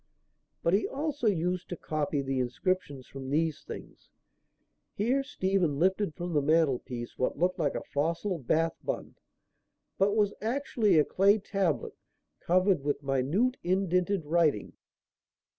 But he also used to copy the inscriptions from these things." Here Stephen lifted from the mantelpiece what looked like a fossil Bath bun, but was actually a clay tablet covered with minute indented writing.